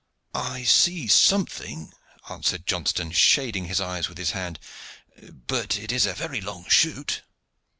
"I see something," answered Johnston, shading his eyes with his hand; "but it is a very long shoot."